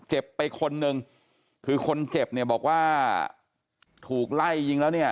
เจ็บไปคนหนึ่งคือคนเจ็บบอกว่าถูกไล่ยิงแล้ว